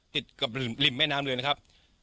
ติดกับริมแม่น้ำเลยนะครับ